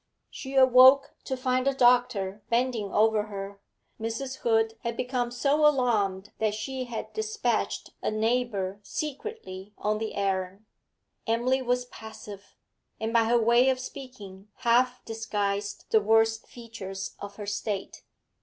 She awoke to find the doctor bending over her; Mrs. Hood had become so alarmed that she had despatched a neighbour secretly on the errand. Emily was passive, and by her way of speaking half disguised the worst features of her state.